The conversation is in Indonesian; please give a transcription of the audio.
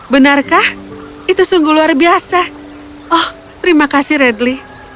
benarkah itu sungguh luar biasa oh terima kasih redly